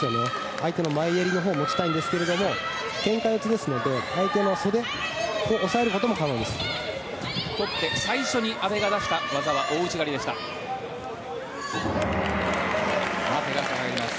相手の前襟のほうを持ちたいんですけれどもけんか四つですので相手の袖を抑えることも可能です。